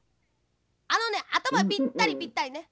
あのねあたまぴったりぴったりね。